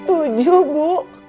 bapak gak setuju bu